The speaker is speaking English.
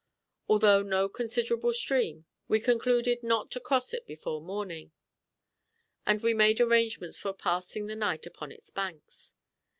Although no considerable stream, we concluded not to cross it before morning, and we made arrangements for passing the night upon its banks.